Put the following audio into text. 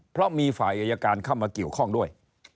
เพราะมีฝ่ายอายการเข้ามาเกี่ยวข้องด้วย